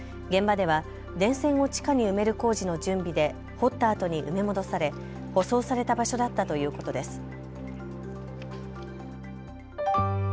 現場では電線を地下に埋める工事の準備で掘ったあとに埋め戻され舗装された場所だったということです。